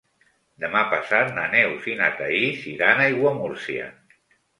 Demà passat na Neus i na Thaís iran a Aiguamúrcia.